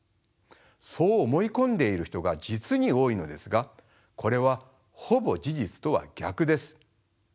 そう思い込んでいる人が実に多いのですがこれはほぼ事実とは逆です。